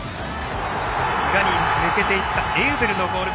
裏に抜けていったエウベルのゴール。